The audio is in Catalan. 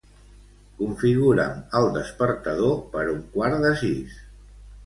Configura'm el despertador per un quart de sis.